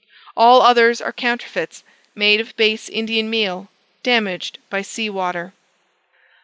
All others are counterfeits, made of base Indian meal, damaged by sea water.